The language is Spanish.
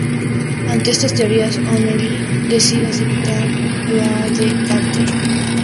Ante estas teorías, O'Neill decide aceptar la de Carter.